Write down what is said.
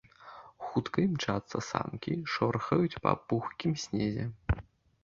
Хутка імчацца санкі, шорхаюць па пухкім снезе.